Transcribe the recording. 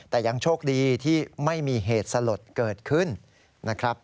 แต่ยังโชคดีที่ไม่มีเหตุสลดเกิดขึ้นนะครับ